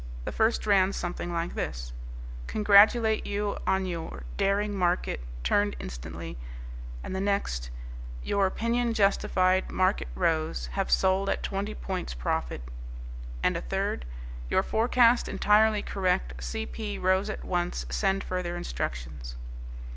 The first ran something like this, "Congratulate you on your daring market turned instantly"; and the next, "Your opinion justified market rose have sold at 20 points profit"; and a third, "Your forecast entirely correct C. P. rose at once send further instructions."